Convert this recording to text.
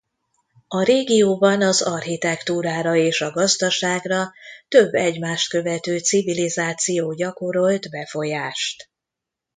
A régióban az architektúrára és a gazdaságra több egymást követő civilizáció gyakorolt befolyást.